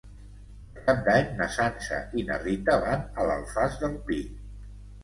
Per Cap d'Any na Sança i na Rita van a l'Alfàs del Pi.